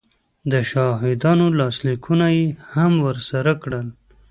د شاهدانو لاسلیکونه یې هم ورسره کړل